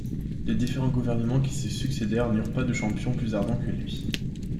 Les différents gouvernements qui se succédèrent n'eurent pas de champion plus ardent que lui.